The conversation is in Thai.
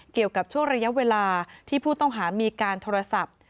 เกี่ยวกับช่วงระยะเวลาที่ผู้ต้องหามีการโทรศัพท์